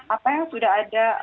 apa yang sudah ada